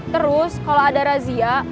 terus kalo ada razia